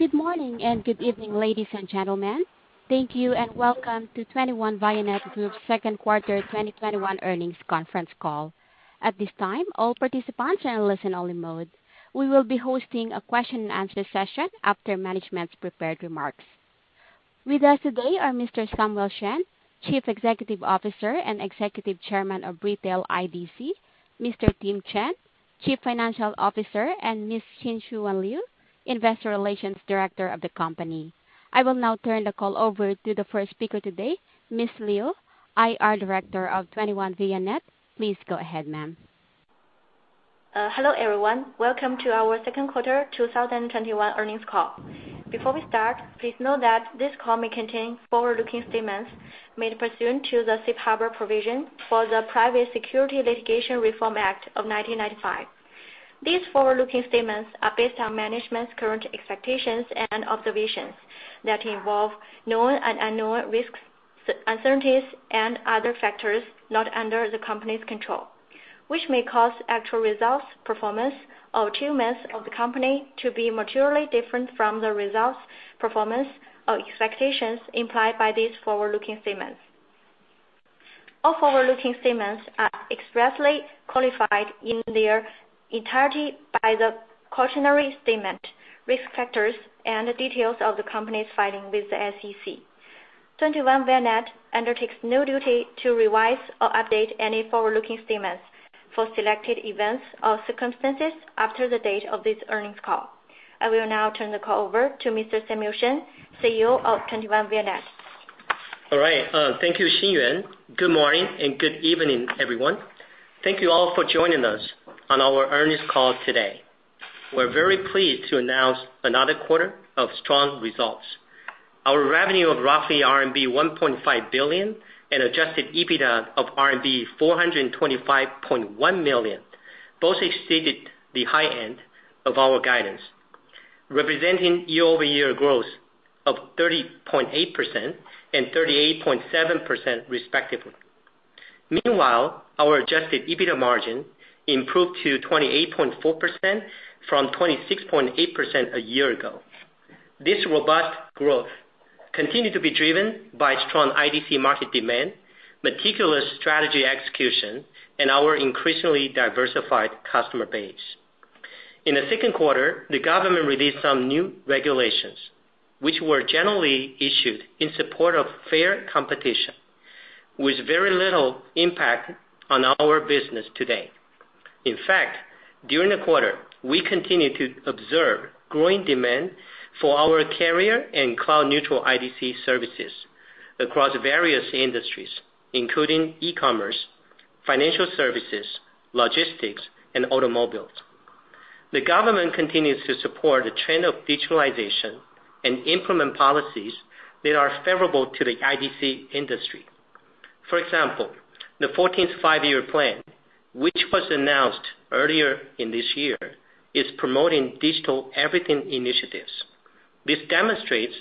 Good morning, and good evening, ladies and gentlemen. Thank you and welcome to 21Vianet Group's second quarter 2021 earnings conference call. At this time, all participants are in listen-only mode. We will be hosting a question and answer session after management's prepared remarks. With us today are Mr. Samuel Shen, Chief Executive Officer and Executive Chairman of Retail IDC, Mr. Tim Chen, Chief Financial Officer, and Ms. Xinyuan Liu, Investor Relations Director of the company. I will now turn the call over to the first speaker today, Ms. Liu, IR Director of 21Vianet. Please go ahead, ma'am. Hello, everyone. Welcome to our second quarter 2021 earnings call. Before we start, please note that this call may contain forward-looking statements made pursuant to the Safe Harbor provision for the Private Securities Litigation Reform Act of 1995. These forward-looking statements are based on management's current expectations and observations that involve known and unknown risks, uncertainties, and other factors not under the company's control, which may cause actual results, performance, or achievements of the company to be materially different from the results, performance, or expectations implied by these forward-looking statements. All forward-looking statements are expressly qualified in their entirety by the cautionary statement, risk factors, and the details of the company's filing with the SEC. 21Vianet undertakes no duty to revise or update any forward-looking statements for selected events or circumstances after the date of this earnings call. I will now turn the call over to Mr. Samuel Shen, CEO of 21Vianet. All right. Thank you, Xinyuan. Good morning, and good evening, everyone. Thank you all for joining us on our earnings call today. We are very pleased to announce another quarter of strong results. Our revenue of roughly RMB 1.5 billion and adjusted EBITDA of RMB 425.1 million both exceeded the high end of our guidance, representing year-over-year growth of 30.8% and 38.7% respectively. Meanwhile, our adjusted EBITDA margin improved to 28.4% from 26.8% a year ago. This robust growth continued to be driven by strong IDC market demand, meticulous strategy execution, and our increasingly diversified customer base. In the second quarter, the government released some new regulations, which were generally issued in support of fair competition with very little impact on our business today. In fact, during the quarter, we continued to observe growing demand for our carrier and cloud-neutral IDC services across various industries, including e-commerce, financial services, logistics, and automobiles. The government continues to support the trend of digitalization and implement policies that are favorable to the IDC industry. For example, the 14th Five-Year Plan, which was announced earlier this year, is promoting digital everything initiatives. This demonstrates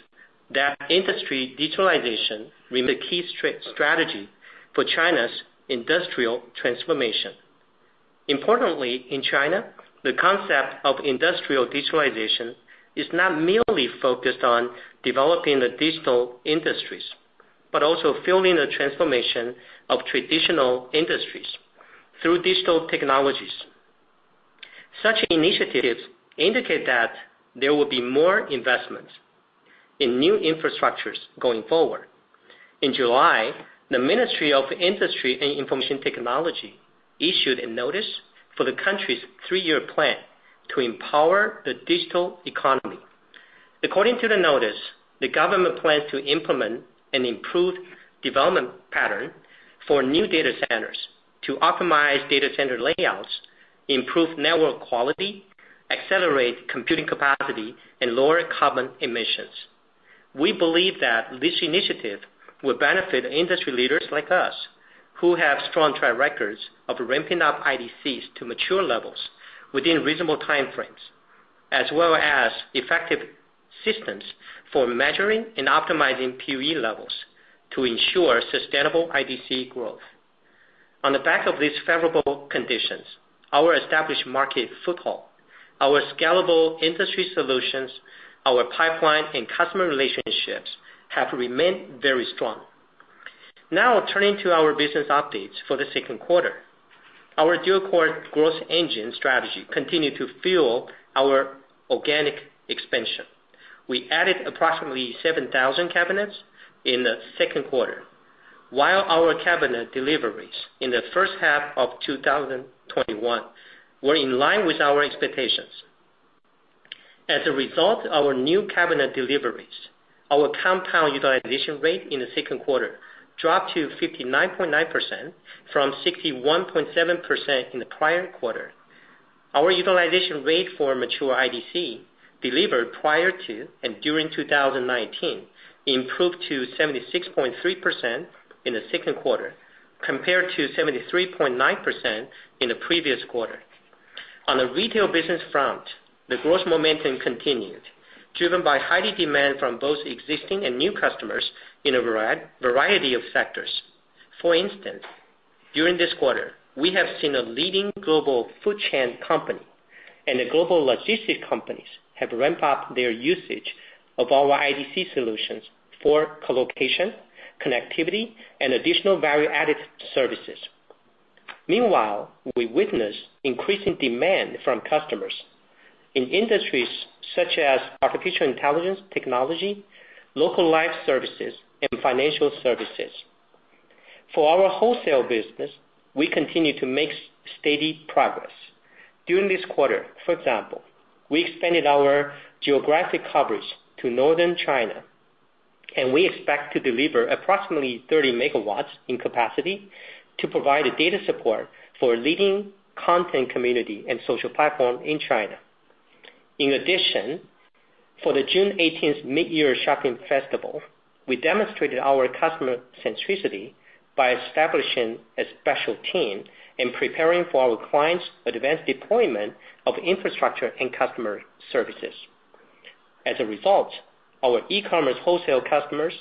that industry digitalization remains a key strategy for China's industrial transformation. Importantly, in China, the concept of industrial digitalization is not merely focused on developing the digital industries, but also fueling the transformation of traditional industries through digital technologies. Such initiatives indicate that there will be more investments in new infrastructures going forward. In July, the Ministry of Industry and Information Technology issued a notice for the country's three-year plan to empower the digital economy. According to the notice, the government plans to implement an improved development pattern for new data centers to optimize data center layouts, improve network quality, accelerate computing capacity, and lower carbon emissions. We believe that this initiative will benefit industry leaders like us, who have strong track records of ramping up IDCs to mature levels within reasonable time frames, as well as effective systems for measuring and optimizing PUE levels to ensure sustainable IDC growth. On the back of these favorable conditions, our established market foothold, our scalable industry solutions, our pipeline, and customer relationships have remained very strong. Now turning to our business updates for the second quarter. Our dual-core growth engine strategy continued to fuel our organic expansion. We added approximately 7,000 cabinets in the second quarter. While our cabinet deliveries in the first half of 2021 were in line with our expectations. As a result of our new cabinet deliveries, our compound utilization rate in the second quarter dropped to 59.9% from 61.7% in the prior quarter. Our utilization rate for mature IDC delivered prior to and during 2019 improved to 76.3% in the second quarter, compared to 73.9% in the previous quarter. On the retail business front, the growth momentum continued, driven by high demand from both existing and new customers in a variety of sectors. For instance, during this quarter, we have seen a leading global food chain company and global logistics companies have ramped up their usage of our IDC solutions for co-location, connectivity, and additional value-added services. Meanwhile, we witness increasing demand from customers in industries such as artificial intelligence technology, local life services, and financial services. For our wholesale business, we continue to make steady progress. During this quarter, for example, we expanded our geographic coverage to Northern China. We expect to deliver approximately 30 MW in capacity to provide data support for a leading content community and social platform in China. In addition, for the June 18th mid-year shopping festival, we demonstrated our customer centricity by establishing a special team and preparing for our clients' advanced deployment of infrastructure and customer services. As a result, our e-commerce wholesale customers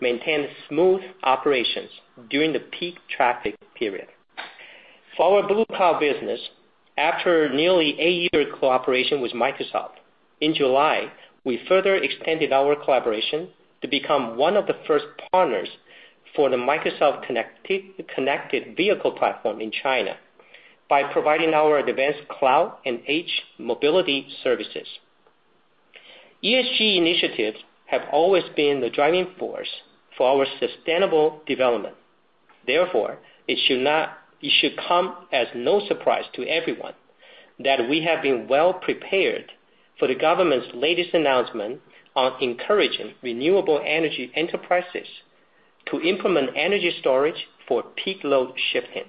maintained smooth operations during the peak traffic period. For our Blue Cloud business, after nearly 8-year cooperation with Microsoft, in July, we further extended our collaboration to become one of the first partners for the Microsoft Connected Vehicle Platform in China, by providing our advanced cloud and edge mobility services. ESG initiatives have always been the driving force for our sustainable development. It should come as no surprise to everyone that we have been well prepared for the government's latest announcement on encouraging renewable energy enterprises to implement energy storage for peak load shifting.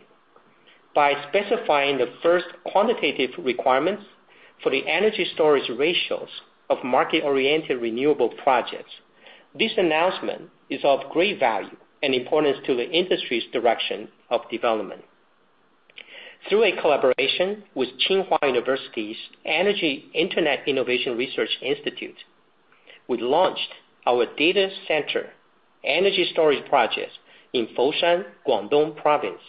By specifying the first quantitative requirements for the energy storage ratios of market-oriented renewable projects, this announcement is of great value and importance to the industry's direction of development. Through a collaboration with Tsinghua University's Energy Internet Innovation Research Institute, we launched our data center energy storage projects in Foshan, Guangdong Province,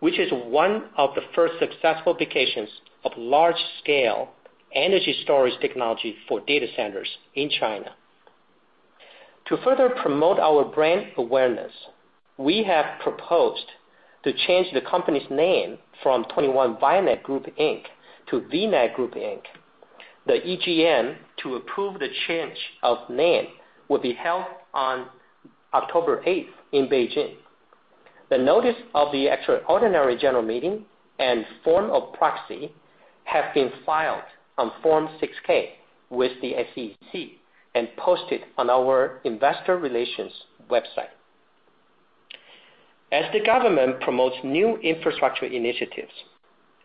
which is one of the first successful applications of large-scale energy storage technology for data centers in China. To further promote our brand awareness, we have proposed to change the company's name from 21Vianet Group, Inc. to VNET Group, Inc. The EGM to approve the change of name will be held on October 8th in Beijing. The notice of the extraordinary General Meeting and form of proxy have been filed on Form 6-K with the SEC and posted on our investor relations website. As the government promotes new infrastructure initiatives,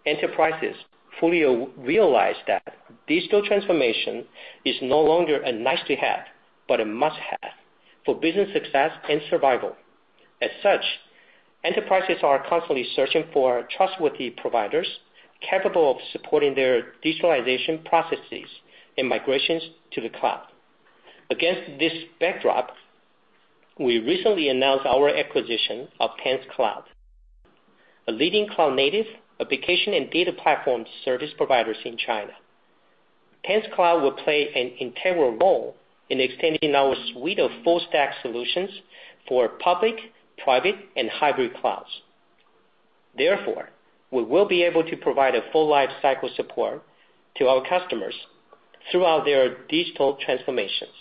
enterprises fully realize that digital transformation is no longer a nice-to-have, but a must-have for business success and survival. As such, enterprises are constantly searching for trustworthy providers capable of supporting their digitalization processes and migrations to the cloud. Against this backdrop, we recently announced our acquisition of TenxCloud, a leading cloud-native application and data platform service providers in China. TenxCloud will play an integral role in extending our suite of full stack solutions for public, private, and hybrid clouds. Therefore, we will be able to provide a full life cycle support to our customers throughout their digital transformations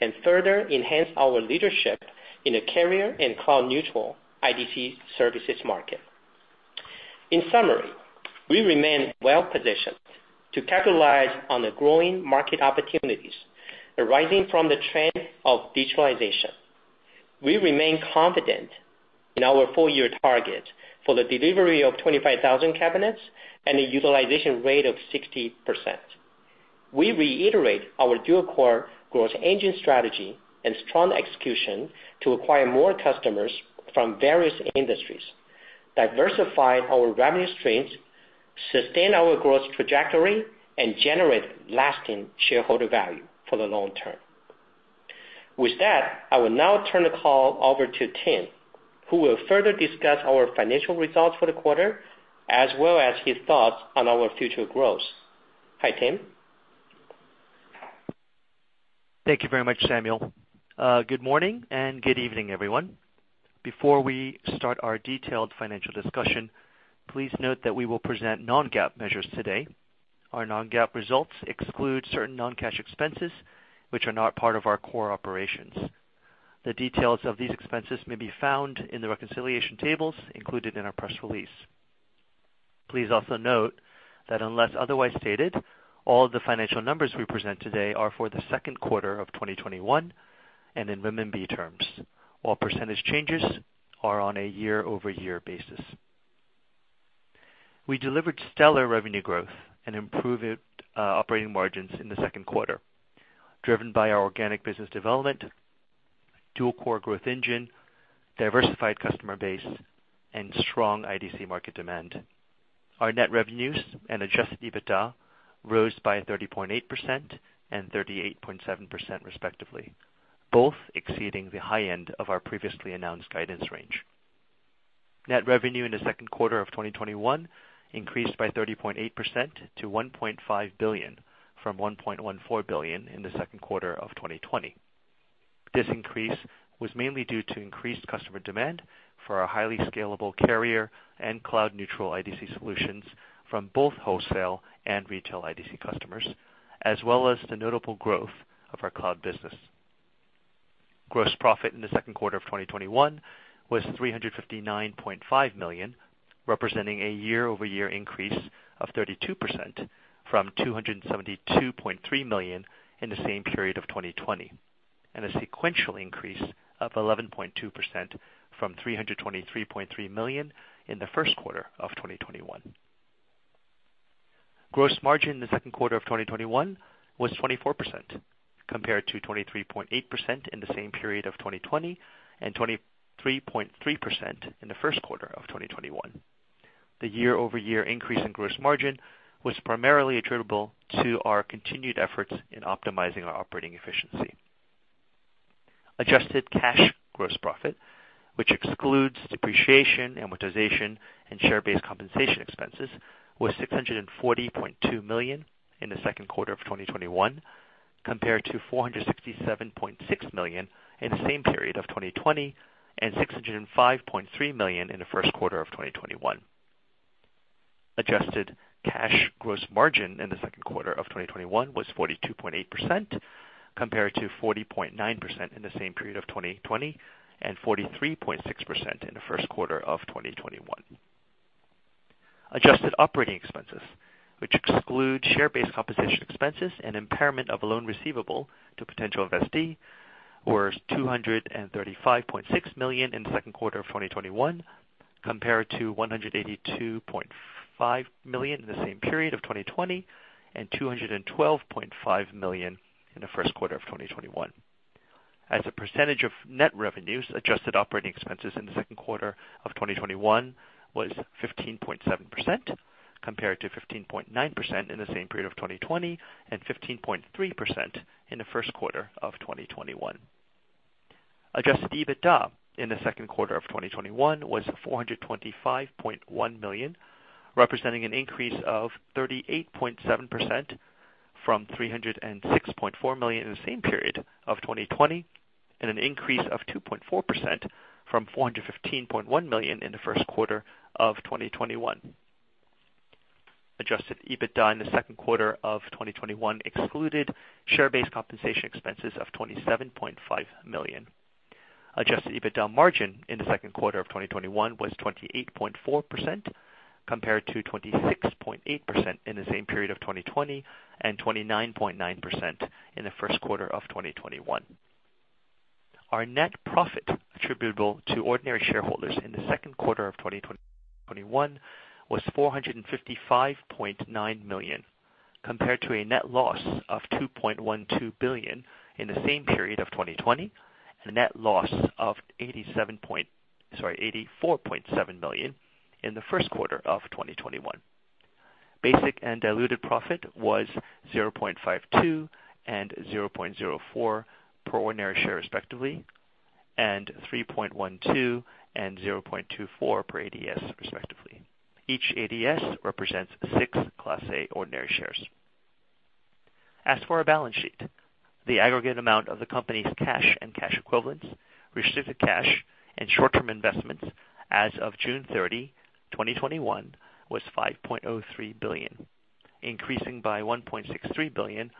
and further enhance our leadership in a carrier and cloud-neutral IDC services market. In summary, we remain well-positioned to capitalize on the growing market opportunities arising from the trend of digitalization. We remain confident in our full-year target for the delivery of 25,000 cabinets and a utilization rate of 60%. We reiterate our dual-core growth engine strategy and strong execution to acquire more customers from various industries, diversify our revenue streams, sustain our growth trajectory, and generate lasting shareholder value for the long term. With that, I will now turn the call over to Tim, who will further discuss our financial results for the quarter as well as his thoughts on our future growth. Hi, Tim. Thank you very much, Samuel. Good morning and good evening, everyone. Before we start our detailed financial discussion, please note that we will present non-GAAP measures today. Our non-GAAP results exclude certain non-cash expenses, which are not part of our core operations. The details of these expenses may be found in the reconciliation tables included in our press release. Please also note that unless otherwise stated, all the financial numbers we present today are for the second quarter of 2021 and in renminbi terms. All percentage changes are on a year-over-year basis. We delivered stellar revenue growth and improved operating margins in the second quarter, driven by our organic business development, dual core growth engine, diversified customer base, and strong IDC market demand. Our net revenues and adjusted EBITDA rose by 30.8% and 38.7% respectively, both exceeding the high end of our previously announced guidance range. Net revenue in the second quarter of 2021 increased by 30.8% to 1.5 billion from 1.14 billion in the second quarter of 2020. This increase was mainly due to increased customer demand for our highly scalable carrier and cloud-neutral IDC solutions from both wholesale and retail IDC customers, as well as the notable growth of our cloud business. Gross profit in the second quarter of 2021 was 359.5 million, representing a year-over-year increase of 32% from 272.3 million in the same period of 2020, and a sequential increase of 11.2% from 323.3 million in the first quarter of 2021. Gross margin in the second quarter of 2021 was 24%, compared to 23.8% in the same period of 2020 and 23.3% in the first quarter of 2021. The year-over-year increase in gross margin was primarily attributable to our continued efforts in optimizing our operating efficiency. Adjusted cash gross profit, which excludes depreciation, amortization, and share-based compensation expenses, was 640.2 million in the second quarter of 2021, compared to 467.6 million in the same period of 2020 and 605.3 million in the first quarter of 2021. Adjusted cash gross margin in the second quarter of 2021 was 42.8%, compared to 40.9% in the same period of 2020 and 43.6% in the first quarter of 2021. Adjusted operating expenses, which exclude share-based compensation expenses and impairment of a loan receivable to potential investee, were 235.6 million in the second quarter of 2021, compared to 182.5 million in the same period of 2020 and 212.5 million in the first quarter of 2021. As a percentage of net revenues, adjusted operating expenses in the second quarter of 2021 was 15.7%, compared to 15.9% in the same period of 2020 and 15.3% in the first quarter of 2021. Adjusted EBITDA in the second quarter of 2021 was 425.1 million, representing an increase of 38.7% from 306.4 million in the same period of 2020, and an increase of 2.4% from 415.1 million in the first quarter of 2021. Adjusted EBITDA in the second quarter of 2021 excluded share-based compensation expenses of 27.5 million. Adjusted EBITDA margin in the second quarter of 2021 was 28.4%, compared to 26.8% in the same period of 2020 and 29.9% in the first quarter of 2021. Our net profit attributable to ordinary shareholders in the second quarter of 2021 was 455.9 million, compared to a net loss of 2.12 billion in the same period of 2020 and a net loss of 84.7 million in the first quarter of 2021. Basic and diluted profit was 0.52 and 0.04 per ordinary share respectively, and 3.12 and 0.24 per ADS respectively. Each ADS represents six Class A ordinary shares. As for our balance sheet, the aggregate amount of the company's cash and cash equivalents, restricted cash, and short-term investments as of June 30, 2021, was 5.03 billion, increasing by 1.63 billion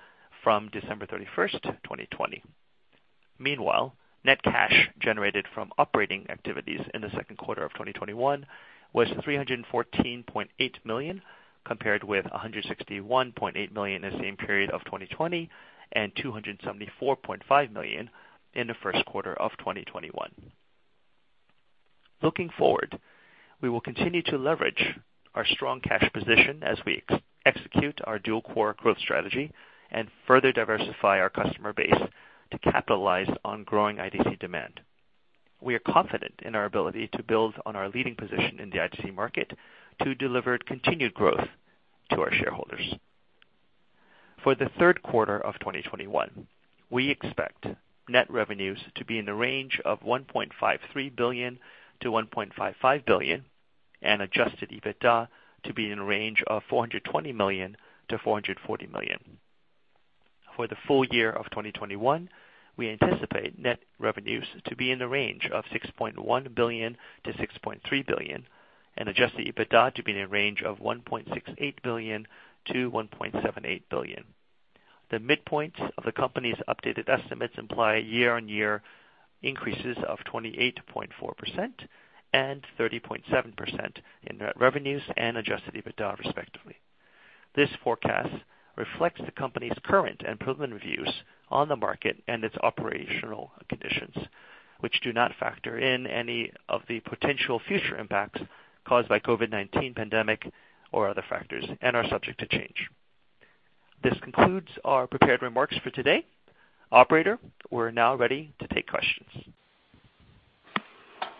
from December 31st, 2020. Meanwhile, net cash generated from operating activities in the second quarter of 2021 was 314.8 million, compared with 161.8 million in the same period of 2020 and 274.5 million in the first quarter of 2021. Looking forward, we will continue to leverage our strong cash position as we execute our dual core growth strategy and further diversify our customer base to capitalize on growing IDC demand. We are confident in our ability to build on our leading position in the IDC market to deliver continued growth to our shareholders. For the third quarter of 2021, we expect net revenues to be in the range of 1.53 billion-1.55 billion and adjusted EBITDA to be in the range of RMB 420 million-RMB 440 million. For the full-year of 2021, we anticipate net revenues to be in the range of 6.1 billion-6.3 billion and adjusted EBITDA to be in the range of 1.68 billion-1.78 billion. The midpoint of the company's updated estimates imply year-on-year increases of 28.4% and 30.7% in net revenues and adjusted EBITDA respectively. This forecast reflects the company's current and preliminary views on the market and its operational conditions, which do not factor in any of the potential future impacts caused by COVID-19 pandemic or other factors, and are subject to change. This concludes our prepared remarks for today. Operator, we're now ready to take questions.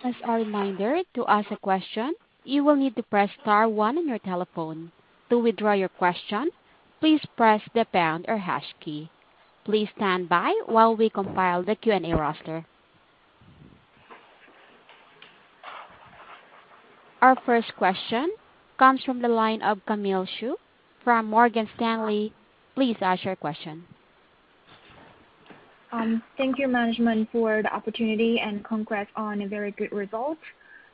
As a reminder, to ask a question, you will need to press star one on your telephone. To withdraw your question, please press the Pound or Hash key. Please stand by while we compile the Q&A roster. Our first question comes from the line of Camille Xu from Morgan Stanley. Please ask your question. Thank you management for the opportunity, and congrats on a very good result.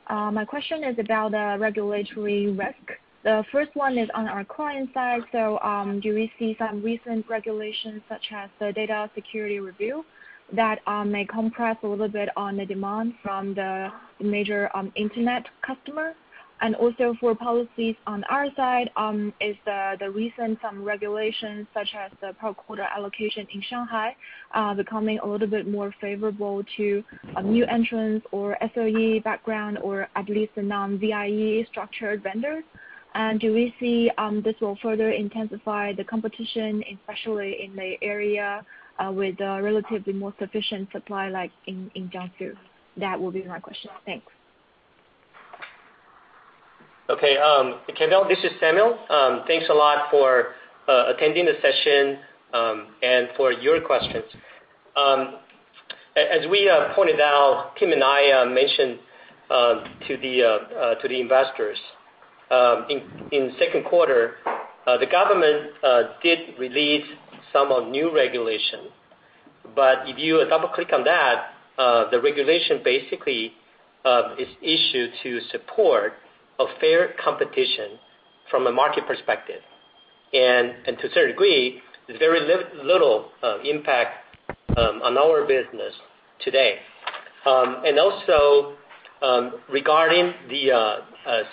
My question is about the regulatory risk. The first one is on our client side. Do we see some recent regulations, such as the data security review, that may compress a little bit on the demand from the major internet customer? For policies on our side, is the recent regulations such as the power quota allocation in Shanghai becoming a little bit more favorable to new entrants or SOE background, or at least the non-VIE structured vendors? Do we see this will further intensify the competition, especially in the area with relatively more sufficient supply, like in Jiangsu? That will be my question. Thanks. Camille, this is Samuel. Thanks a lot for attending the session, and for your questions. As we pointed out, Tim and I mentioned to the investors, in second quarter, the government did release some of new regulation. If you double-click on that, the regulation basically is issued to support a fair competition from a market perspective. To a certain degree, there's very little impact on our business today. Also, regarding the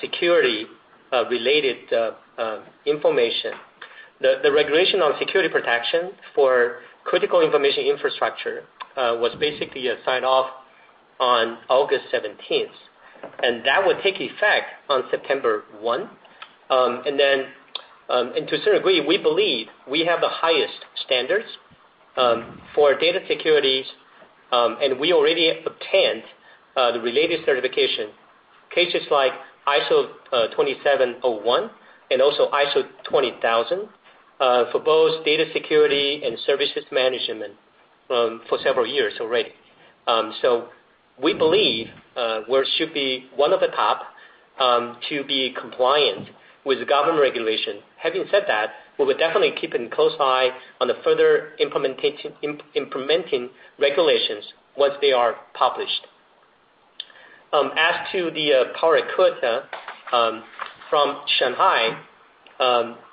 security-related information, the regulation on security protection for critical information infrastructure was basically signed off on August 17th, and that would take effect on September 1. To a certain degree, we believe we have the highest standards for data securities, and we already obtained the related certification, cases like ISO 27001 and also ISO 20000 for both data security and services management for several years already. We believe we should be one of the top to be compliant with the government regulation. Having said that, we will definitely keeping a close eye on the further implementing regulations once they are published. As to the power quota from Shanghai,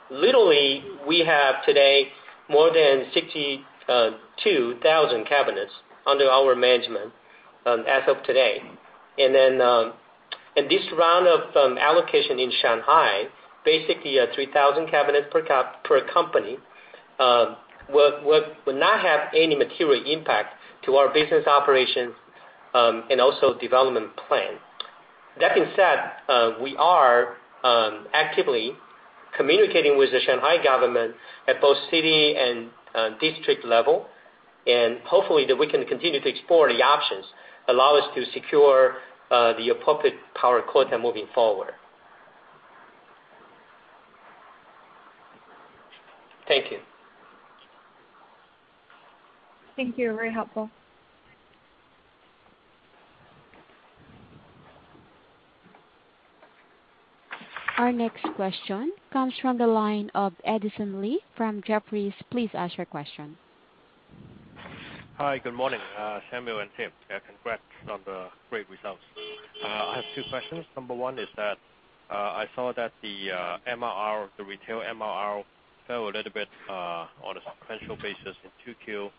literally, we have today more than 62,000 cabinets under our management as of today. This round of allocation in Shanghai, basically 3,000 cabinets per company, will not have any material impact to our business operations and also development plan. That being said, we are actively communicating with the Shanghai Government at both City and District level, and hopefully that we can continue to explore the options allow us to secure the appropriate power quota moving forward. Thank you. Thank you. Very helpful. Our next question comes from the line of Edison Lee from Jefferies. Please ask your question. Hi, good morning, Samuel and Tim. Congrats on the great results. I have two questions. Number one is that I saw that the retail MRR fell a little bit on a sequential basis in 2Q.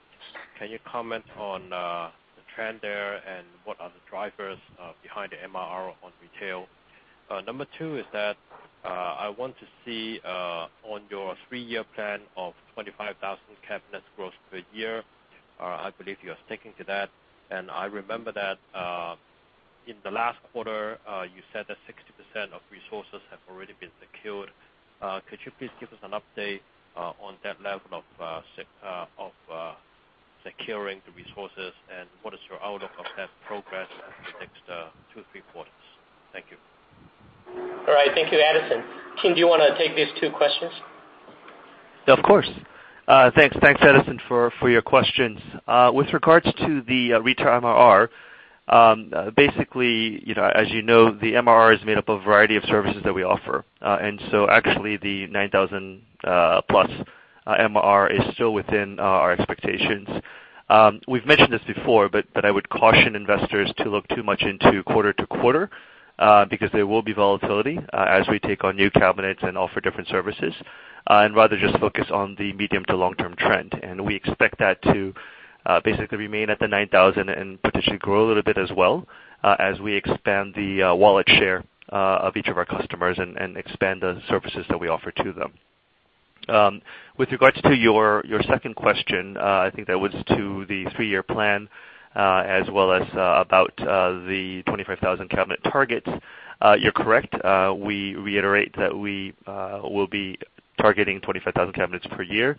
Can you comment on the trend there, and what are the drivers behind the MRR on retail? Number two is that I want to see on your three-year plan of 25,000 cabinets growth per year. I believe you are sticking to that, and I remember that in the last quarter, you said that 60% of resources have already been secured. Could you please give us an update on that level of securing the resources, and what is your outlook of that progress in the next two, three quarters? Thank you. All right. Thank you, Edison. Tim, do you want to take these two questions? Of course. Thanks, Edison, for your questions. With regards to the retail MRR, basically, as you know, the MRR is made up of a variety of services that we offer. Actually, the 9,000+ MRR is still within our expectations. We've mentioned this before, but I would caution investors to look too much into quarter-to-quarter, because there will be volatility as we take on new cabinets and offer different services, and rather just focus on the medium to long-term trend. We expect that to basically remain at the 9,000 and potentially grow a little bit as well as we expand the wallet share of each of our customers and expand the services that we offer to them. With regards to your second question, I think that was to the three-year plan, as well as about the 25,000 cabinet target. You're correct. We reiterate that we will be targeting 25,000 cabinets per year.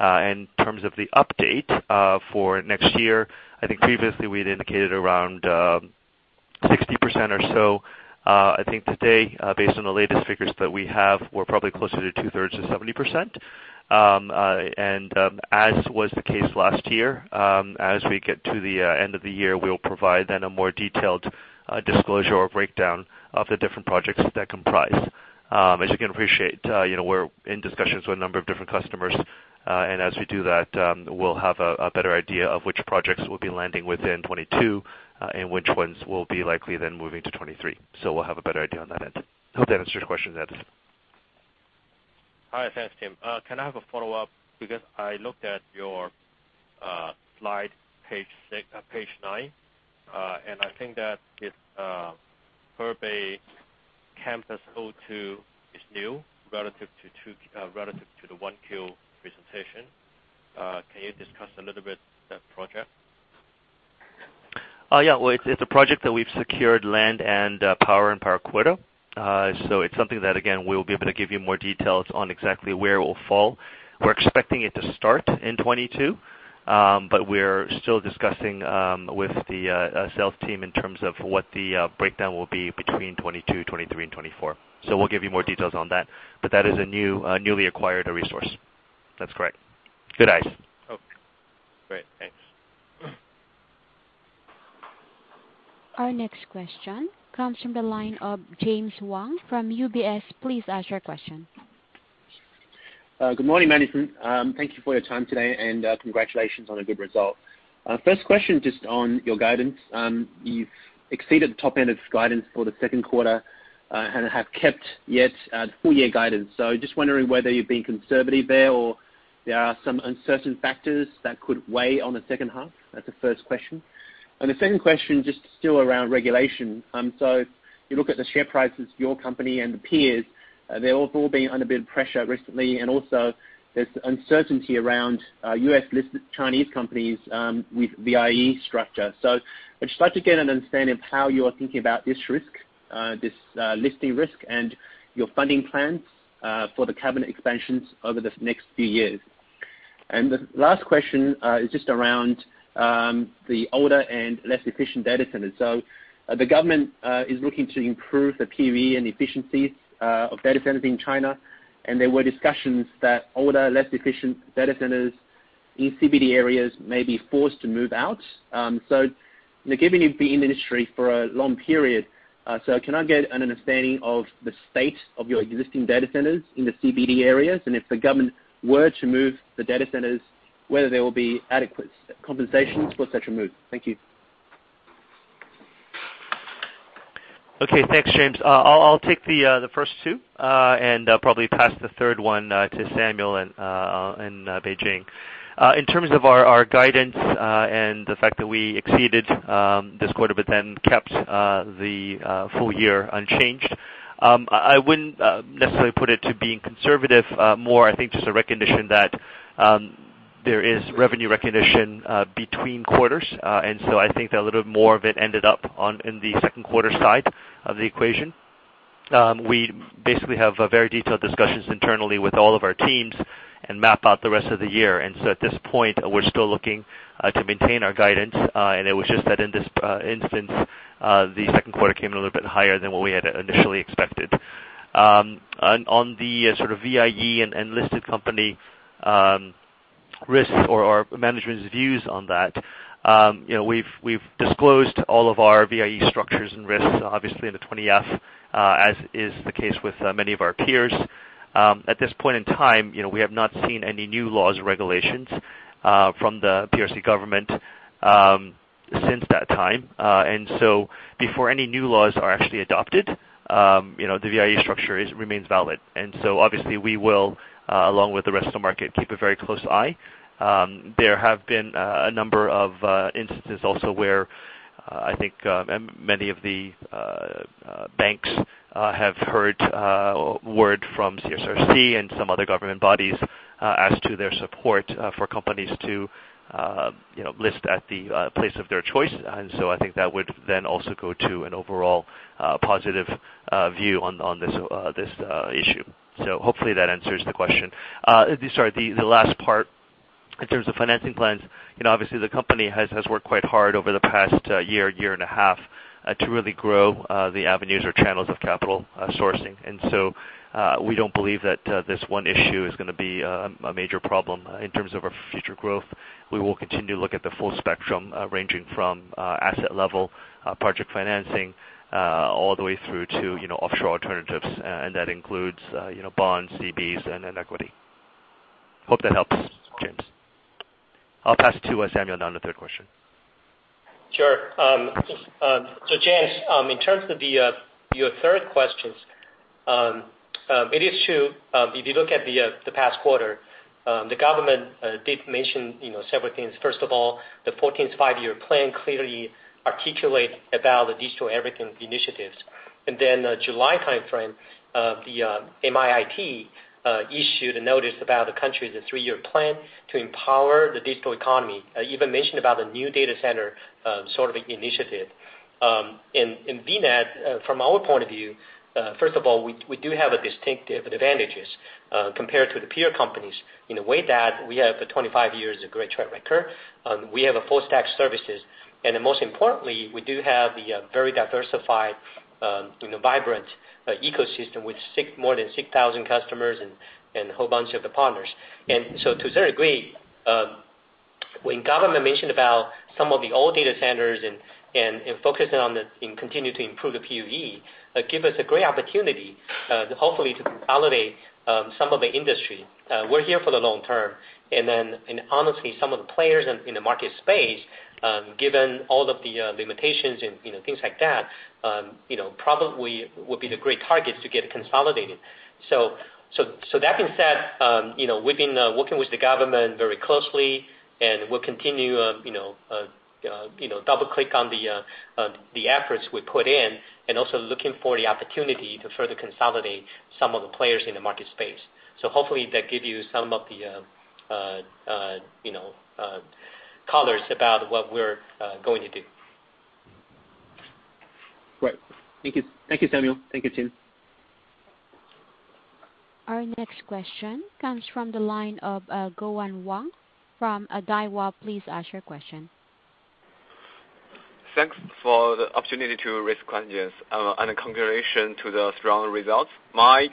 In terms of the update for next year, I think previously we had indicated around 60% or so, I think today, based on the latest figures that we have, we're probably closer to 2/3 to 70%. As was the case last year, as we get to the end of the year, we'll provide then a more detailed disclosure or breakdown of the different projects that comprise. As you can appreciate, we're in discussions with a number of different customers. As we do that, we'll have a better idea of which projects will be landing within 2022, and which ones will be likely then moving to 2023. We'll have a better idea on that end. Hope that answers your question, Edison. Hi. Thanks, Tim. Can I have a follow-up? I looked at your slide page nine. I think that this Hebei Campus 02 is new relative to the 1Q presentation. Can you discuss a little bit that project? Yeah. Well, it's a project that we've secured land and power and power quota. It's something that, again, we'll be able to give you more details on exactly where it will fall. We're expecting it to start in 2022. We're still discussing with the sales team in terms of what the breakdown will be between 2022, 2023, and 2024. We'll give you more details on that. That is a newly acquired resource. That's correct. Good eyes. Okay, great. Thanks. Our next question comes from the line of James Wang from UBS. Please ask your question. Good morning, management. Thank you for your time today, and congratulations on a good result. First question just on your guidance. You've exceeded the top end of guidance for the second quarter and have kept yet full-year guidance. Just wondering whether you've been conservative there or there are some uncertain factors that could weigh on the second half. That's the first question. The second question just still around regulation. You look at the share prices of your company and the peers, they've all been under a bit of pressure recently, and also there's uncertainty around U.S.-listed Chinese companies with VIE structure. I'd just like to get an understanding of how you're thinking about this risk, this listing risk, and your funding plans for the cabinet expansions over the next few years. The last question is just around the older and less efficient data centers. The government is looking to improve the PUE and efficiencies of data centers in China, and there were discussions that older, less efficient data centers in CBD areas may be forced to move out. Given you've been in industry for a long period, so can I get an understanding of the state of your existing data centers in the CBD areas? If the government were to move the data centers, whether there will be adequate compensation for such a move? Thank you. Okay, thanks, James. I'll take the first two and probably pass the third one to Samuel in Beijing. In terms of our guidance and the fact that we exceeded this quarter but then kept the full-year unchanged, I wouldn't necessarily put it to being conservative, more I think just a recognition that there is revenue recognition between quarters. I think that a little more of it ended up in the second quarter side of the equation. We basically have very detailed discussions internally with all of our teams and map out the rest of the year. At this point, we're still looking to maintain our guidance. It was just that in this instance, the second quarter came in a little bit higher than what we had initially expected. On the sort of VIE and listed company risks or management's views on that, we've disclosed all of our VIE structures and risks, obviously in the 20-F, as is the case with many of our peers. At this point in time, we have not seen any new laws or regulations from the PRC government since that time. Before any new laws are actually adopted, the VIE structure remains valid. Obviously we will, along with the rest of the market, keep a very close eye. There have been a number of instances also where I think many of the banks have heard word from CSRC and some other government bodies as to their support for companies to list at the place of their choice. I think that would then also go to an overall positive view on this issue. Hopefully that answers the question. Sorry, the last part, in terms of financing plans, obviously the company has worked quite hard over the past year and a half to really grow the avenues or channels of capital sourcing. We don't believe that this one issue is going to be a major problem in terms of our future growth. We will continue to look at the full spectrum, ranging from asset-level project financing all the way through to offshore alternatives. That includes bonds, CBs, and equity. Hope that helps, James. I'll pass it to Samuel now on the third question. Sure. James, in terms of your third questions, it is true. If you look at the past quarter, the government did mention several things. First of all, the 14th Five-Year Plan clearly articulate about the digital everything initiatives. July timeframe, the MIIT issued a notice about the country's three-year plan to empower the digital economy. Even mentioned about the new data center sort of initiative. In VNET, from our point of view, first of all, we do have a distinctive advantages compared to the peer companies in a way that we have 25 years of great track record. We have a full-stack services. Most importantly, we do have the very diversified, vibrant ecosystem with more than 6,000 customers and whole bunch of the partners. To a certain degree, when government mentioned about some of the old data centers and focusing on and continue to improve the PUE, give us a great opportunity, hopefully, to consolidate some of the industry. We're here for the long-term. Honestly, some of the players in the market space, given all of the limitations and things like that, probably would be the great targets to get consolidated. That being said, we've been working with the government very closely, and we'll continue double click on the efforts we put in and also looking for the opportunity to further consolidate some of the players in the market space. Hopefully that give you some of the colors about what we're going to do. Right. Thank you, Samuel. Thank you, Jim. Our next question comes from the line of Guohan Wang from Daiwa. Please ask your question. Thanks for the opportunity to ask questions. Congratulations to the strong results. My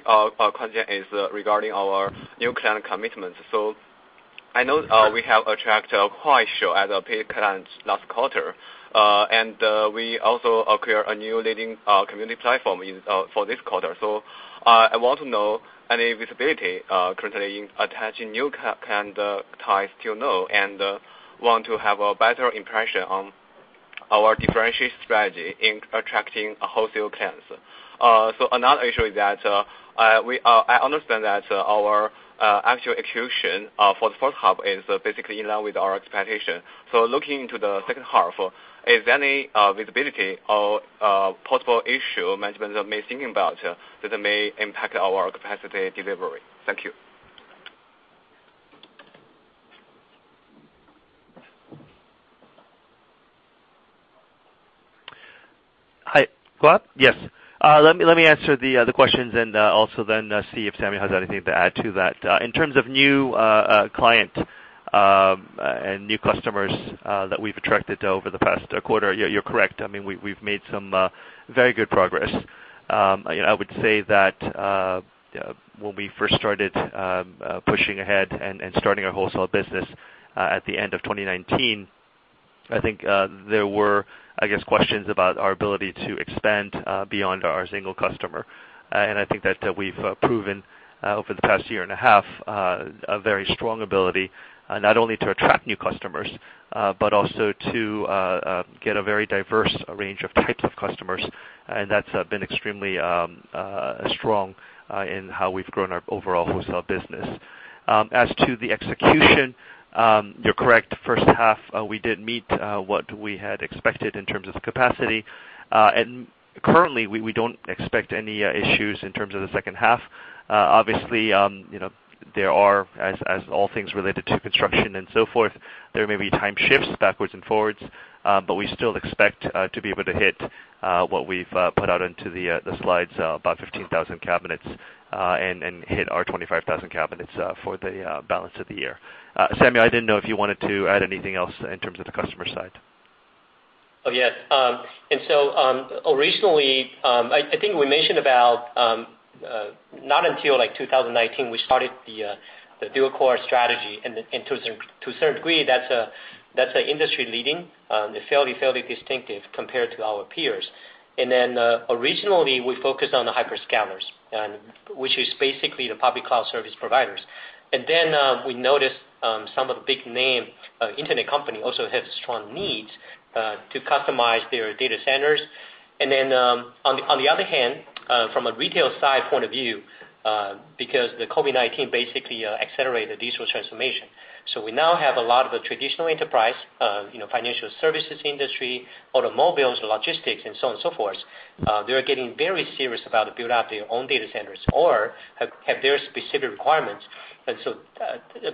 question is regarding our new client commitments. I know we have attracted Kuaishou as a paid client last quarter. We also acquire a new leading community platform for this quarter. I want to know any visibility currently in attaching new client ties to know and want to have a better impression on our differentiate strategy in attracting wholesale clients. Another issue is that I understand that our actual execution for the first half is basically in line with our expectation. Looking into the second half, is there any visibility or possible issue management may thinking about that may impact our capacity delivery? Thank you. Hi, Guohan? Yes. Let me answer the other questions and also then see if Samuel has anything to add to that. In terms of new client and new customers that we've attracted over the past quarter, you're correct. We've made some very good progress. I would say that when we first started pushing ahead and starting our wholesale business at the end of 2019, I think there were, I guess, questions about our ability to expand beyond our single customer. I think that we've proven over the past year and a half a very strong ability, not only to attract new customers, but also to get a very diverse range of types of customers. That's been extremely strong in how we've grown our overall wholesale business. As to the execution, you're correct. First half, we did meet what we had expected in terms of capacity. Currently, we don't expect any issues in terms of the second half. Obviously, there are, as all things related to construction and so forth, there may be time shifts backwards and forwards. We still expect to be able to hit what we've put out into the slides, about 15,000 cabinets, and hit our 25,000 cabinets for the balance of the year. Samuel, I didn't know if you wanted to add anything else in terms of the customer side. Yes. Originally, I think we mentioned about not until 2019, we started the dual-core strategy. To a certain degree, that's industry-leading, fairly distinctive compared to our peers. Originally, we focused on the hyperscalers, which is basically the public cloud service providers. We noticed some of the big name internet company also have strong needs to customize their data centers. On the other hand, from a retail side point of view, because the COVID-19 basically accelerated digital transformation. We now have a lot of the traditional enterprise, financial services industry, automobiles, logistics, and so on and so forth. They're getting very serious about build out their own data centers or have their specific requirements.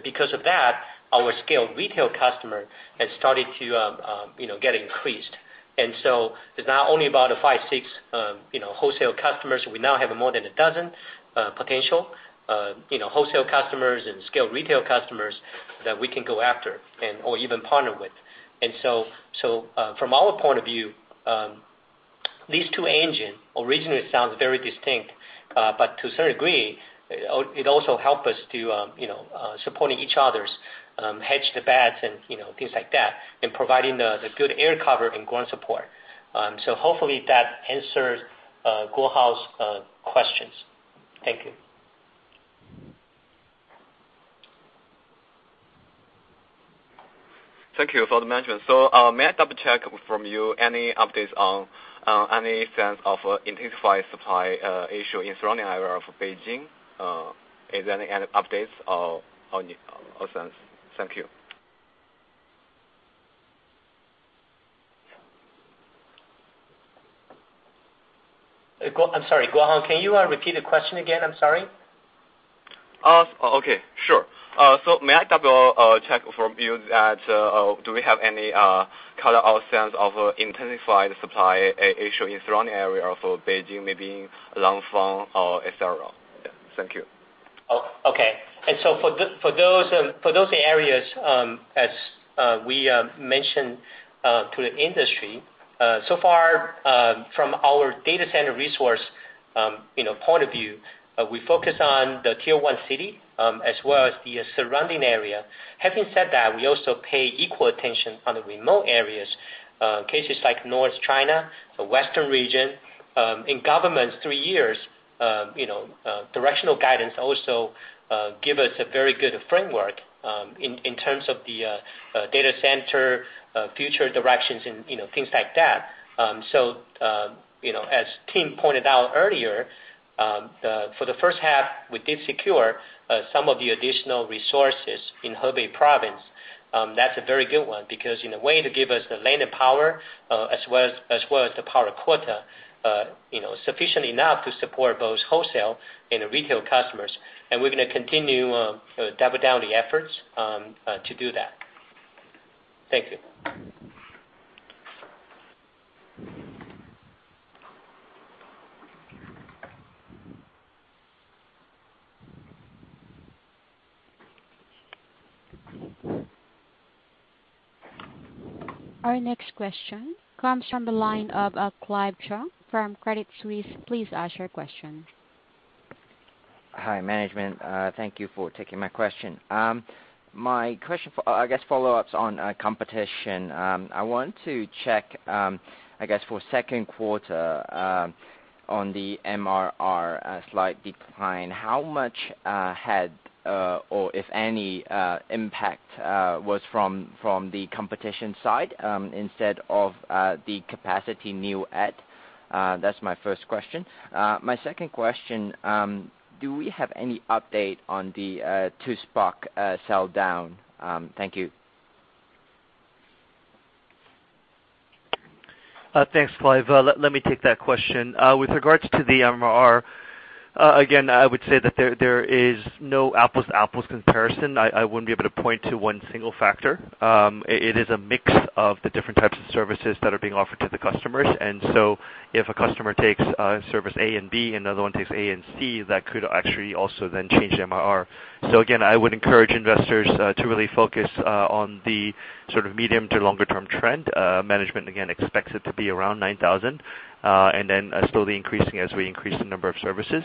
Because of that, our scale retail customer has started to get increased. It's not only about five, six wholesale customers. We now have more than 12 potential wholesale customers and scale retail customers that we can go after or even partner with. From our point of view, these two engines originally sounds very distinct, but to a certain degree, it also help us to support each other's hedge the bets and things like that, and providing the good air cover and ground support. Hopefully that answers Guohan's questions. Thank you. Thank you for the management. May I double-check from you any updates on any sense of intensified supply issue in surrounding area of Beijing? Is there any updates or sense? Thank you. I'm sorry, Guohan, can you repeat the question again? I'm sorry. Okay, sure. May I double-check from you that do we have any color or sense of intensified supply issue in surrounding area of Beijing, maybe Langfang or et cetera? Thank you. Okay. For those areas, as we mentioned to the industry, so far from our data center resource point of view, we focus on the Tier 1 city as well as the surrounding area. Having said that, we also pay equal attention on the remote areas, cases like North China, the Western Region. In government, three years directional guidance also give us a very good framework in terms of the data center, future directions and things like that. As Tim pointed out earlier, for the first half, we did secure some of the additional resources in Hebei province. That's a very good one because in a way they give us the land power as well as the power quota sufficient enough to support both wholesale and retail customers. We're going to continue to double down the efforts to do that. Thank you. Our next question comes from the line of Clive Cheung from Credit Suisse. Please ask your question. Hi, management. Thank you for taking my question. My question, I guess, follow-ups on competition. I want to check, I guess for second quarter, on the MRR, a slight decline. How much had, or if any impact was from the competition side instead of the capacity new add? That's my first question. My second question, do we have any update on the Tuspark sell down? Thank you. Thanks, Clive. Let me take that question. With regards to the MRR, again, I would say that there is no apples-to-apples comparison. I wouldn't be able to point to one single factor. It is a mix of the different types of services that are being offered to the customers. If a customer takes service A and B, another one takes A and C, that could actually also then change the MRR. Again, I would encourage investors to really focus on the sort of medium to longer term trend. Management again expects it to be around 9,000, and then slowly increasing as we increase the number of services.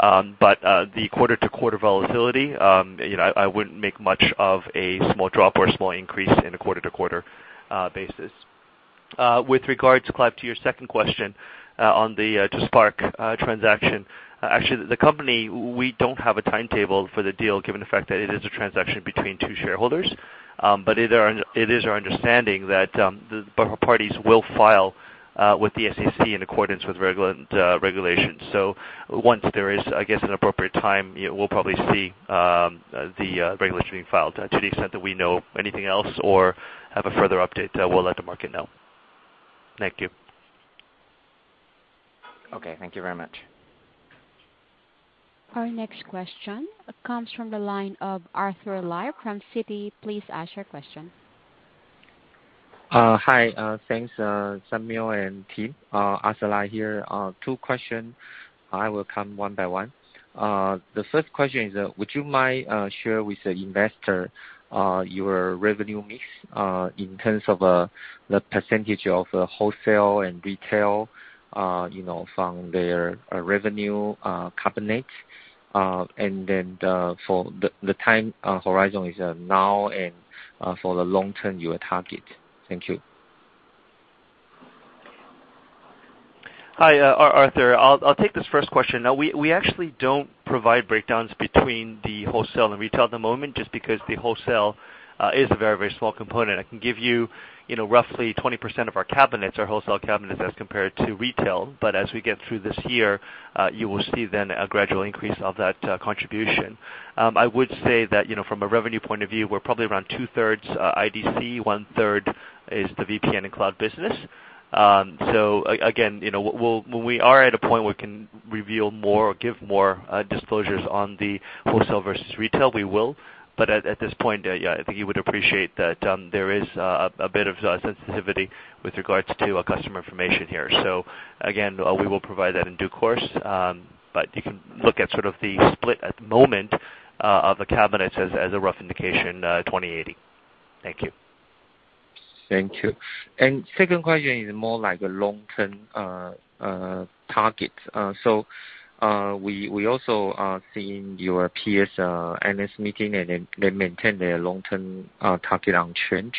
The quarter-to-quarter volatility, I wouldn't make much of a small drop or a small increase in a quarter-to-quarter basis. With regards, Clive, to your second question on the Tuspark transaction, actually the company, we don't have a timetable for the deal given the fact that it is a transaction between two shareholders. It is our understanding that both parties will file with the SEC in accordance with regulations. Once there is, I guess, an appropriate time, we'll probably see the regulations being filed. To the extent that we know anything else or have a further update, we'll let the market know. Thank you. Okay. Thank you very much. Our next question comes from the line of Arthur Lai from Citi. Please ask your question. Hi, thanks Samuel and Tim. Arthur Lai here. Two question. I will come one by one. The first question is, would you mind share with the investor your revenue mix in terms of the percentage of wholesale and retail from their revenue cabinets? The time horizon is now and for the long-term, your target. Thank you. Hi, Arthur. I'll take this first question. We actually don't provide breakdowns between the wholesale and retail at the moment, just because the wholesale is a very small component. I can give you roughly 20% of our cabinets are wholesale cabinets as compared to retail. As we get through this year, you will see then a gradual increase of that contribution. I would say that from a revenue point of view, we're probably around 2/3 IDC, 1/3 is the VPN and cloud business. Again, when we are at a point where we can reveal more or give more disclosures on the wholesale versus retail, we will. At this point, I think you would appreciate that there is a bit of sensitivity with regards to customer information here. We will provide that in due course, but you can look at sort of the split at the moment of the cabinets as a rough indication, 20/80. Thank you. Thank you. Second question is more like a long-term target. We also are seeing your peers analyst meeting, and they maintain their long-term target unchanged.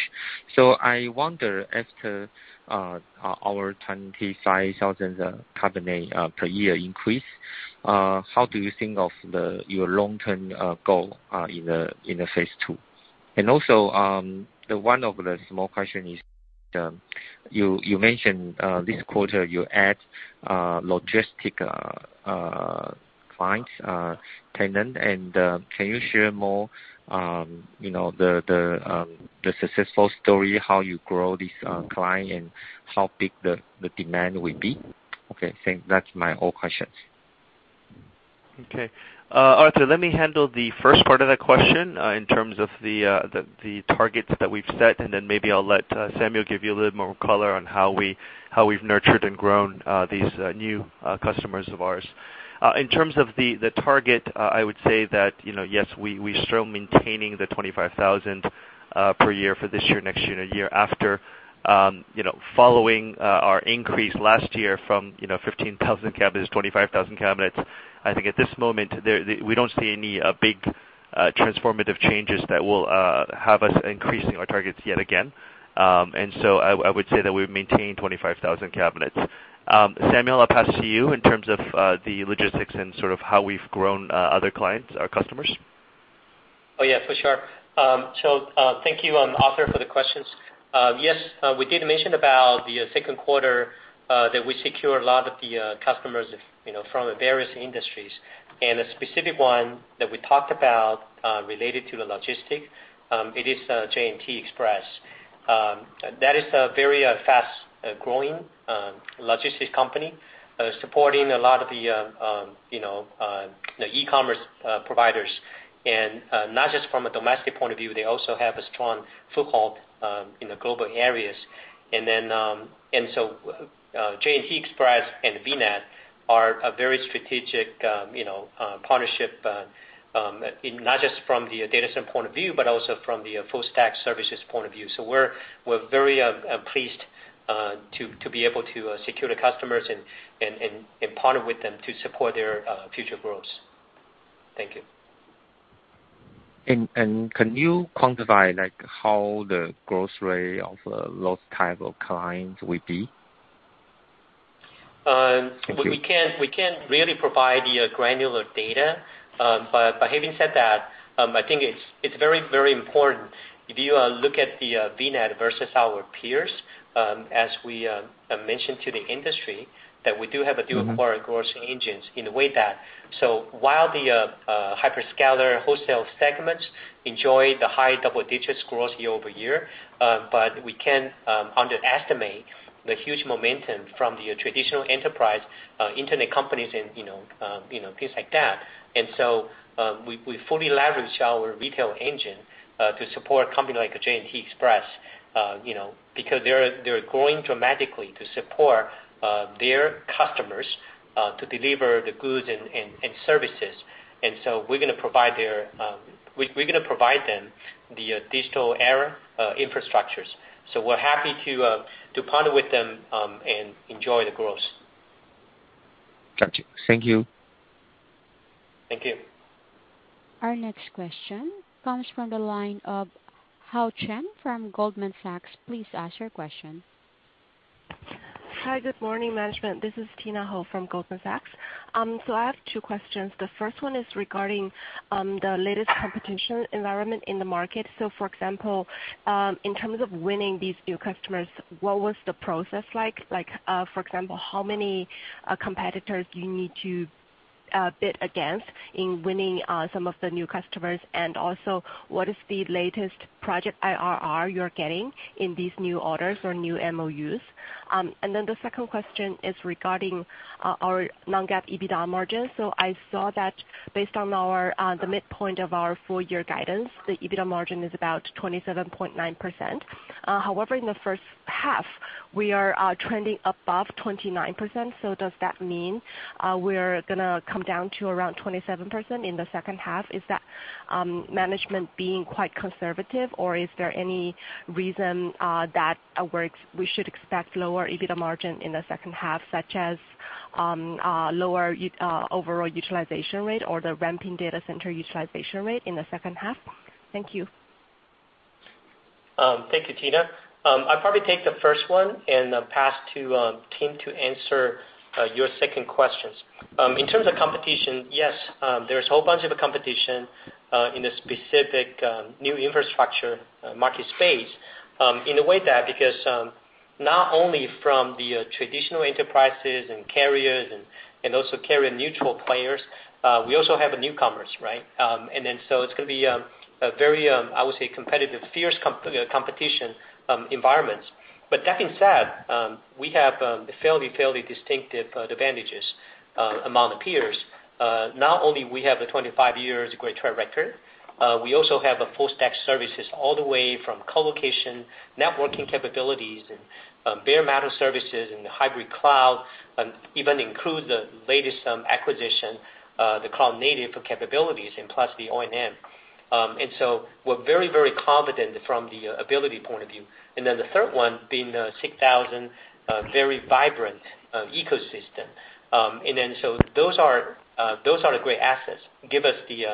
I wonder after our 25,000 cabinet per year increase, how do you think of your long-term goal in the phase two? Also, one of the small question is, you mentioned this quarter you add logistic clients, tenant, and can you share more the successful story, how you grow this client and how big the demand will be? Okay. That's my all questions. Okay. Arthur, let me handle the first part of that question in terms of the targets that we've set, and then maybe I'll let Samuel give you a little more color on how we've nurtured and grown these new customers of ours. In terms of the target, I would say that, yes, we're still maintaining the 25,000 per year for this year, next year, and the year after. Following our increase last year from 15,000 cabinets, 25,000 cabinets, I think at this moment, we don't see any big transformative changes that will have us increasing our targets yet again. I would say that we've maintained 25,000 cabinets. Samuel, I'll pass to you in terms of the logistics and sort of how we've grown other clients, our customers. Oh, yeah, for sure. Thank you, Arthur, for the questions. Yes, we did mention about the second quarter that we secure a lot of the customers from various industries. A specific one that we talked about, related to the logistics, it is J&T Express. That is a very fast-growing logistics company supporting a lot of the e-commerce providers. Not just from a domestic point of view, they also have a strong foothold in the global areas. J&T Express and VNET are a very strategic partnership, not just from the data center point of view, but also from the full stack services point of view. We're very pleased to be able to secure the customers and partner with them to support their future growth. Thank you. Can you quantify how the growth rate of those type of clients will be? Thank you. We can't really provide the granular data. Having said that, I think it's very important if you look at VNET versus our peers, as we mentioned to the industry, that we do have a dual-core growth engines while the hyperscaler wholesale segments enjoy the high double-digit growth year-over-year, we can't underestimate the huge momentum from the traditional enterprise Internet companies and things like that. We fully leverage our retail engine to support a company like J&T Express because they're growing dramatically to support their customers to deliver the goods and services. We're going to provide them the digital era infrastructures. We're happy to partner with them and enjoy the growth. Got you. Thank you. Thank you. Our next question comes from the line of Hao Chen from Goldman Sachs. Please ask your question. Hi. Good morning, management. This is Tina Hou from Goldman Sachs. I have Two questions. The first one is regarding the latest competition environment in the market. For example, in terms of winning these new customers, what was the process like? For example, how many competitors do you need to bid against in winning some of the new customers? What is the latest project IRR you're getting in these new orders or new MoUs? The second question is regarding our non-GAAP EBITDA margins. I saw that based on the midpoint of our full-year guidance, the EBITDA margin is about 27.9%. However, in the first half, we are trending above 29%, so does that mean we're going to come down to around 27% in the second half? Is that management being quite conservative, or is there any reason that we should expect lower EBITDA margin in the second half, such as lower overall utilization rate or the ramping data center utilization rate in the second half? Thank you. Thank you, Tina. I'll probably take the first one and pass to Tim to answer your second questions. In terms of competition, yes, there's a whole bunch of competition in the specific new infrastructure market space because not only from the traditional enterprises and carriers and also carrier-neutral players, we also have the newcomers, right? It's going to be a very, I would say, competitive, fierce competition environments. That being said, we have fairly distinctive advantages among the peers. Not only we have a 25 years great track record, we also have a full stack services all the way from colocation, networking capabilities, and bare metal services and hybrid cloud, and even include the latest acquisition, the cloud-native capabilities and plus the O&M. We're very confident from the ability point of view. The third one being 6,000 very vibrant ecosystem. Those are the great assets, give us the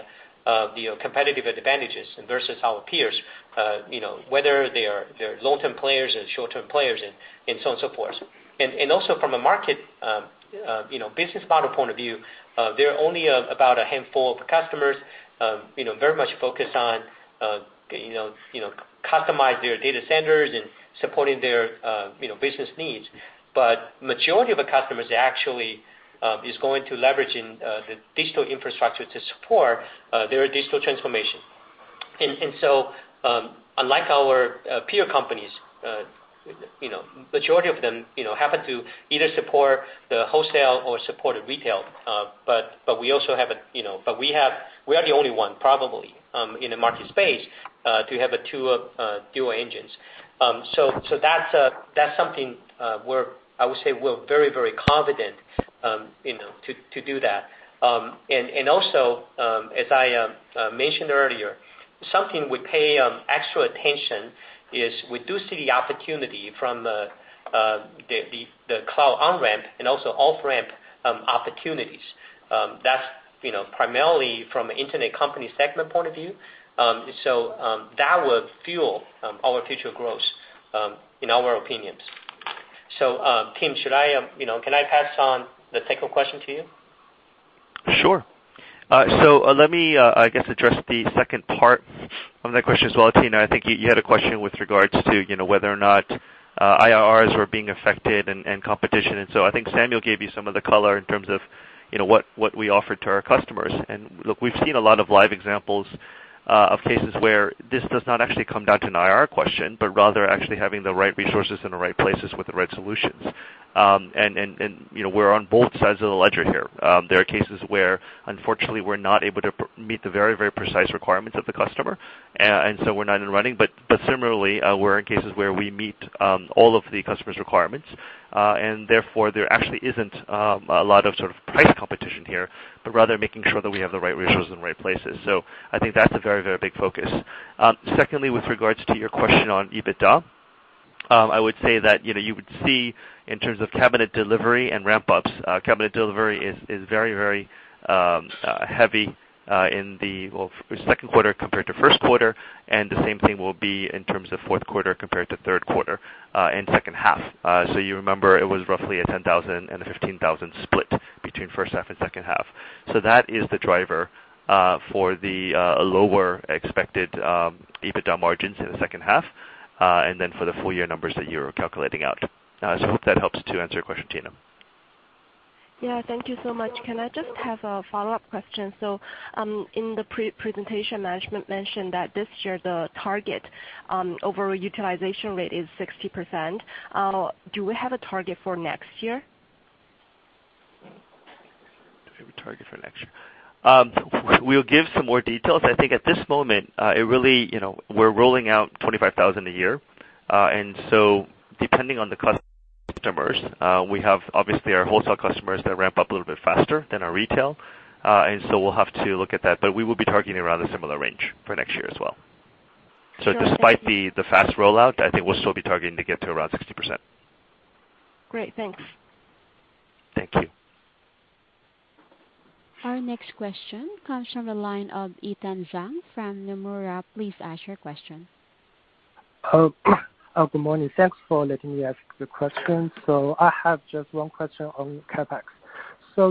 competitive advantages versus our peers, whether they're long-term players or short-term players and so on and so forth. Also from a market business model point of view, there are only about a handful of customers very much focused on customize their data centers and supporting their business needs. Majority of the customers actually is going to leverage in the digital infrastructure to support their digital transformation. Unlike our peer companies, majority of them happen to either support the wholesale or support the retail. We are the only one, probably, in the market space to have dual engines. That's something where I would say we're very, very confident to do that. Also, as I mentioned earlier, something we pay extra attention is we do see the opportunity from the cloud on-ramp and also off-ramp opportunities. That's primarily from an internet company segment point of view. That will fuel our future growth in our opinions. Tim, can I pass on the second question to you? Sure. Let me, I guess, address the second part of that question as well, Tina. I think you had a question with regards to whether or not IRRs were being affected and competition. I think Samuel Shen gave you some of the color in terms of what we offer to our customers. Look, we've seen a lot of live examples of cases where this does not actually come down to an IRR question, but rather actually having the right resources in the right places with the right solutions. We're on both sides of the ledger here. There are cases where, unfortunately, we're not able to meet the very, very precise requirements of the customer, and so we're not in running. Similarly, we're in cases where we meet all of the customer's requirements. Therefore, there actually isn't a lot of price competition here, but rather making sure that we have the right resources in the right places. I think that's a very, very big focus. Secondly, with regards to your question on EBITDA, I would say that you would see in terms of cabinet delivery and ramp-ups, cabinet delivery is very, very heavy in the second quarter compared to first quarter, and the same thing will be in terms of fourth quarter compared to third quarter and second half. You remember it was roughly a 10,000 and a 15,000 split between first half and second half. That is the driver for the lower expected EBITDA margins in the second half. For the full year numbers that you're calculating out. I hope that helps to answer your question, Tina. Yeah. Thank you so much. Can I just have a follow-up question? In the presentation, management mentioned that this year the target overall utilization rate is 60%. Do we have a target for next year? Do we have a target for next year? We'll give some more details. I think at this moment, we're rolling out 25,000 a year. Depending on the customers, we have obviously our wholesale customers that ramp up a little bit faster than our retail. We'll have to look at that, but we will be targeting around a similar range for next year as well. Despite the fast rollout, I think we'll still be targeting to get to around 60%. Great. Thanks. Thank you. Our next question comes from the line of Ethan Zhang from Nomura. Please ask your question. Good morning. Thanks for letting me ask the question. I have just one question on CapEx.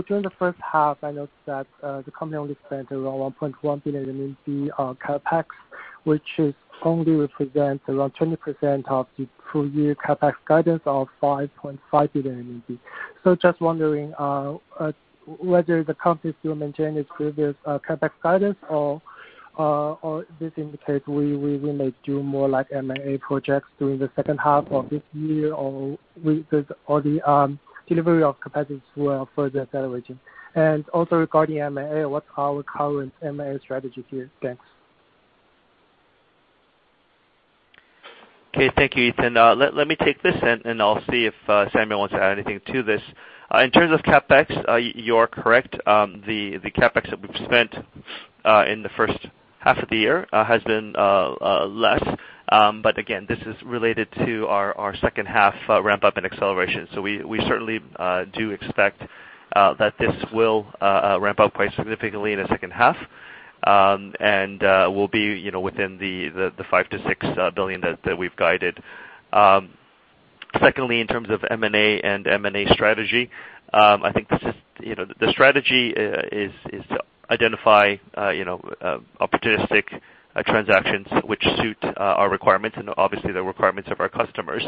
During the first half, I noticed that the company only spent around 1.1 billion on CapEx, which only represents around 20% of the full-year CapEx guidance of 5.5 billion. Just wondering whether the company still maintain its previous CapEx guidance or this indicates we may do more like M&A projects during the second half of this year, or the delivery of capacities will further accelerating. Also regarding M&A, what's our current M&A strategy here? Thanks. Okay. Thank you, Ethan. Let me take this, and I'll see if Samuel wants to add anything to this. In terms of CapEx, you are correct. The CapEx that we've spent in the first half of the year has been less. Again, this is related to our second half ramp-up and acceleration. We certainly do expect that this will ramp up quite significantly in the second half. We'll be within the 5 billion-6 billion that we've guided. Secondly, in terms of M&A and M&A strategy, I think the strategy is to identify opportunistic transactions which suit our requirements and obviously the requirements of our customers.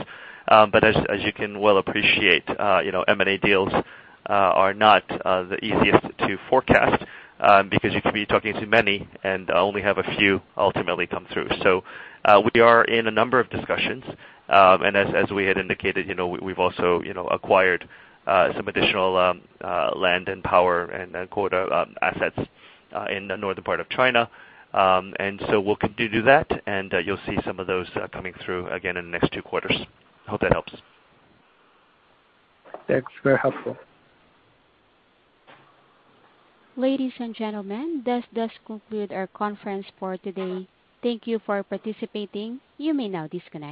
As you can well appreciate, M&A deals are not the easiest to forecast, because you could be talking to many and only have a few ultimately come through. We are in a number of discussions, and as we had indicated, we've also acquired some additional land and power and quota assets in the northern part of China. We'll continue to do that, and you'll see some of those coming through again in the next two quarters. Hope that helps. That's very helpful. Ladies and gentlemen, this does conclude our conference for today. Thank you for participating. You may now disconnect.